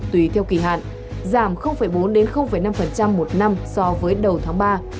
tùy theo kỳ hạn giảm bốn năm một năm so với đầu tháng ba